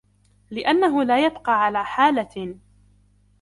لِأَنَّهُ لَا يَبْقَى عَلَى حَالَةٍ